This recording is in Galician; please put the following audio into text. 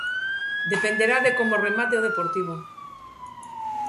Dependerá de como remate o Deportivo.